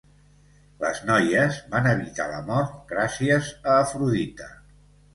Les noies van evitar la mort gràcies a Afrodita.